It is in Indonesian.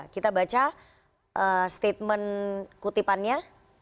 kita baca statement kutipannya